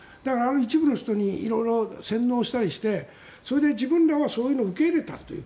一部の人に色々洗脳したりしてそれで自分らはそういうのを受け入れたという。